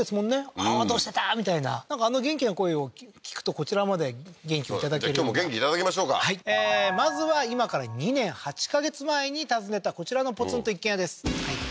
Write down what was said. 「おおーどうしてた？」みたいななんかあの元気な声を聞くとこちらまで元気をいただける今日も元気いただきましょうかはいまずは今から２年８ヵ月前に訪ねたこちらのポツンと一軒家です